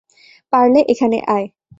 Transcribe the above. পারলে এখানে আয়!